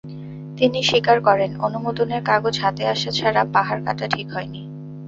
তিনি স্বীকার করেন, অনুমোদনের কাগজ হাতে আসা ছাড়া পাহাড় কাটা ঠিক হয়নি।